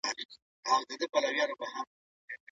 واکمن او امرمنونکي ترمنځ اړيکه څنګه ده؟